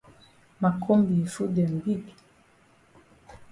Ma kombi yi foot dem big.